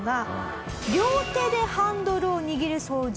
両手でハンドルを握る操縦